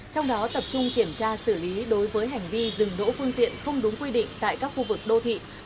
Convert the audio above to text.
trong đó tập trung kiểm tra xử lý đối với hành vi dừng đỗ phương tiện không đúng quy định tại các khu vực đô thị